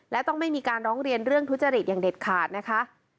และต้องไม่มีการร้องเรียนเรื่องทุจริตอย่างเด็ดขาดนะคะ